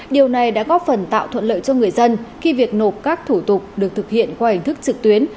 điều này đã góp phần tạo thuận lợi cho người dân khi việc nộp các thủ tục được thực hiện qua hình thức trực tuyến